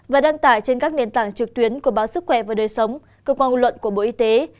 và đăng tải trên các nền tảng trực tuyến của báo sức khỏe và đời sống cơ quan ngôn luận của bộ y tế